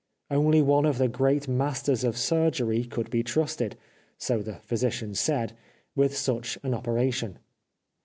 Only one of the great masters of surgery could be trusted, so the physicians said, with such an operation.